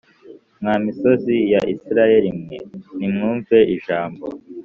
Mwa misozi ya Isirayeli mwe nimwumve ijambo